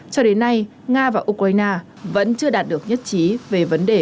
cho đến nay nga và ukraine vẫn chưa đạt được nhất trí về vấn đề cụ thể nào